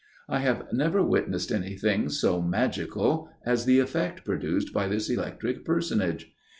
I have never witnessed anything so magical as the effect produced by this electric personage.